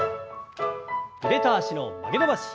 腕と脚の曲げ伸ばし。